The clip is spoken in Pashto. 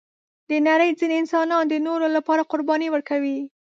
د نړۍ ځینې انسانان د نورو لپاره قرباني ورکوي.